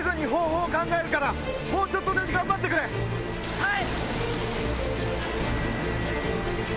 はい！